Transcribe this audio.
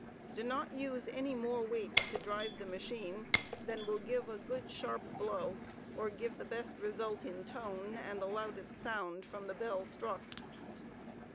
Do not use any more weight to drive the m&chine than will give a good sharp blow or give the best result in tone and loudest sound from the bell struck.